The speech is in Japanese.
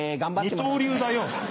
二刀流だよ。